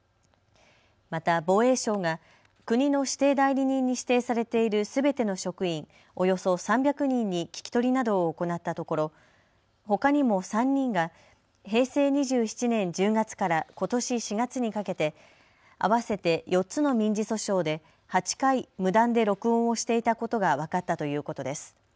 また、防衛省が国の指定代理人に指定されているすべての職員およそ３００人に聞き取りなどを行ったところ、ほかにも３人が平成２７年１０月からことし４月にかけて合わせて４つの民事訴訟で８回無断で録音をしていたことが分かったということです。